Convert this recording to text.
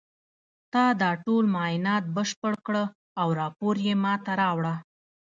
تا دا ټول معاینات بشپړ کړه او راپور یې ما ته راوړه